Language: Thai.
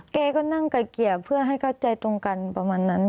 แกก็นั่งไก่เกลี่ยเพื่อให้เข้าใจตรงกันประมาณนั้น